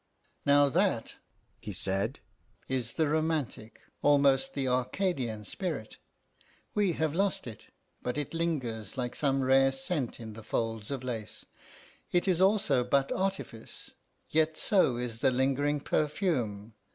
"Now that," he said, "is the romantic, almost the Arcadian spirit. We have lost it, but it lingers like some rare scent in the folds of lace. It is also but artifice, yet so is the lingering perfume.